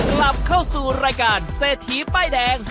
กลับเข้าสู่รายการเศรษฐีป้ายแดง